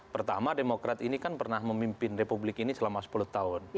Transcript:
pertama demokrat ini kan pernah memimpin republik ini selama sepuluh tahun